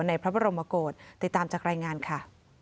ในพระบรมโกฏติดตามจากรายงานค่ะ